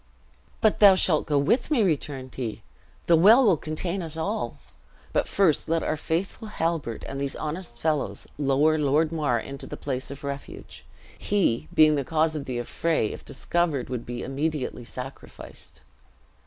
"But thou shalt go with me," returned he; "the well will contain us all. But first let our faithful Halbert and these honest fellows lower Lord Mar into the place of refuge. He being the cause of the affray, if discovered, would be immediately sacrificed."